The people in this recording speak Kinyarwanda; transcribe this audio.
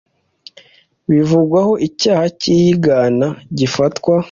bivugwaho icyaha cy iyigana gifatwa